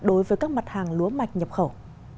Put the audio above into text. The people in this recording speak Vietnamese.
đối với các mặt hàng lúa mạch nhập khẩu